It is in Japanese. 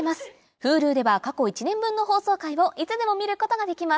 Ｈｕｌｕでは過去１年分の放送回をいつでも見ることができます